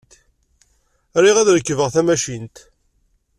Riɣ ad rekbeɣ tamacint.